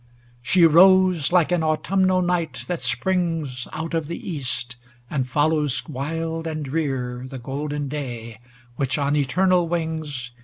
XXIII She rose like an autumnal Night, that springs Out of the East, and follows wild and drear The golden Day, which, on eternal wings.